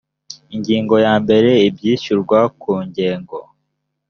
ingingo ya mbere ibyishyurwa ku ngengo